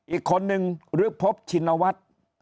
อีกคนนึงฤกภพชินวัตน์